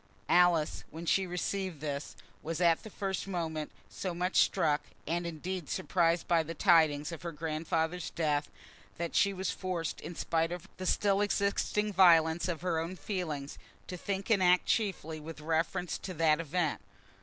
Alice, when she received this, was at the first moment so much struck, and indeed surprised, by the tidings of her grandfather's death, that she was forced, in spite of the still existing violence of her own feelings, to think and act chiefly with reference to that event.